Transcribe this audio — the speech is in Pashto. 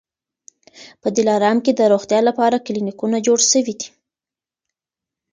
په دلارام کي د روغتیا لپاره کلینیکونه جوړ سوي دي